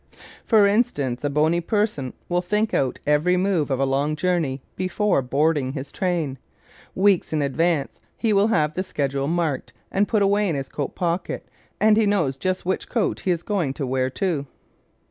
For instance a bony person will think out every move of a long journey before boarding his train. Weeks in advance he will have the schedule marked and put away in his coat pocket and he knows just which coat he is going to wear too!